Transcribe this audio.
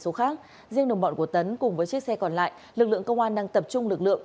số khác riêng đồng bọn của tấn cùng với chiếc xe còn lại lực lượng công an đang tập trung lực lượng